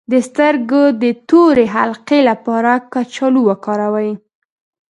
د سترګو د تورې حلقې لپاره کچالو وکاروئ